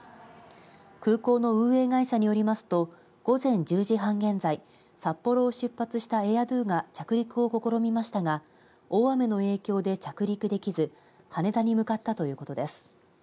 空港の運営会社によりますと午前１０時半現在札幌を出発したエアドゥが着陸を試みましたが大雨の影響で着陸できず羽田に向かったということです。